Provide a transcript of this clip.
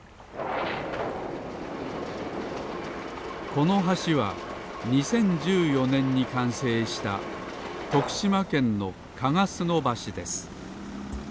この橋は２０１４ねんにかんせいしたとくしまけんのかがすのばしです